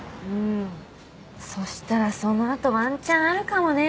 そしたらそのあとワンチャンあるかもね。